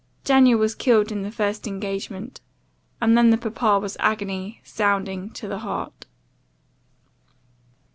Daniel was killed in the first engagement, and then the papa was agony, sounding to the heart.